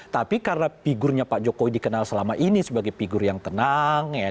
tapi karena figurnya pak jokowi dikenal selama ini sebagai figur yang tenang